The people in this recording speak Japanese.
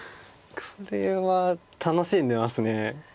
これは楽しんでます。